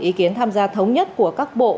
ý kiến tham gia thống nhất của các bộ